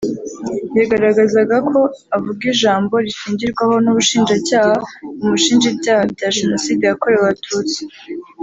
yagaragazaga ko avuga ijambo rishingirwaho n’Ubushinjacyaha bumushinja ibyaha bya Jenoside yakorewe Abatutsi